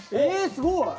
えすごい！